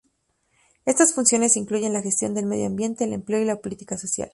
Estas funciones incluyen la gestión del medio ambiente, el empleo y la política social.